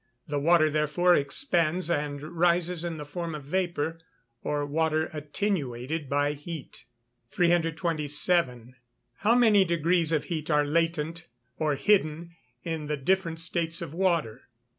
The water therefore expands and rises in the form of vapour, or water attenuated by heat. 327. _How many degrees of heat are latent, or hidden, in the different states of water?